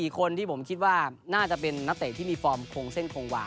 คนที่ผมคิดว่าน่าจะเป็นนักเตะที่มีฟอร์มคงเส้นคงวา